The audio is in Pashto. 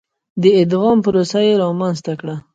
د ادغام پروسه یې رامنځته کړه.